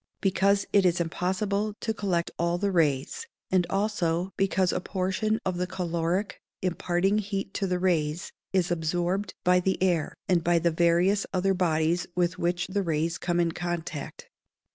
_ Because it is impossible to collect all the rays, and also because a portion of the caloric, imparting heat to the rays, is absorbed by the air, and by the various other bodies with which the rays come in contact.